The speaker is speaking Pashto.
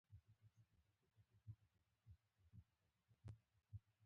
د افغانستان د اقتصادي پرمختګ لپاره پکار ده چې افواهات نه وي.